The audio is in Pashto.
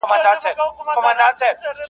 ګڼي خوږو خوږو يارانو بۀ مې خپه وهله.